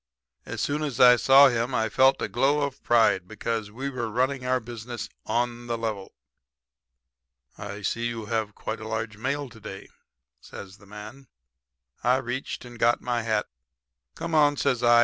As soon as I saw him I felt a glow of pride, because we were running our business on the level. "'I see you have quite a large mail to day,' says the man. "I reached and got my hat. "'Come on,' says I.